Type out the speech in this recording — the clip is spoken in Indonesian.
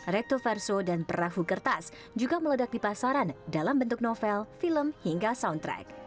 rekto verso dan perahu kertas juga meledak di pasaran dalam bentuk novel film hingga soundtrack